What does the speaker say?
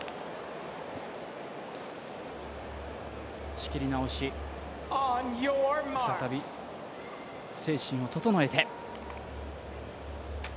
仕切り直し、再び精神を整えて。